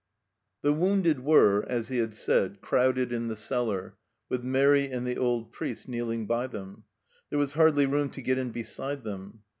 The wounded were, as he had said, crowded in the cellar, with Mairi and the old priest kneeling by them ; there was hardly room to get in beside them.